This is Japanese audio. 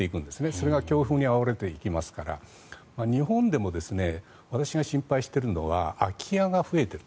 それが強風にあおられていきますから日本でも私が心配しているのは空き家が増えている。